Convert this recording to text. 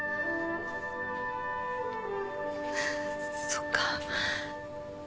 そっか。